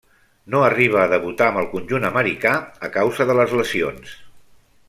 No arriba a debutar amb el conjunt americà, a causa de les lesions.